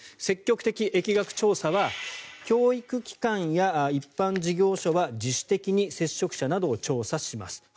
積極的疫学調査は教育機関や一般事業所は自主的に接触者などを調査します。